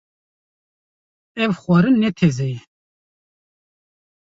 Ev xwarin ne teze ye.